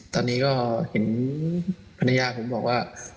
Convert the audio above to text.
ตอนนี้ก็เห็นภรรยาผมบอกว่า